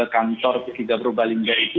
kantor p tiga berubah lingga itu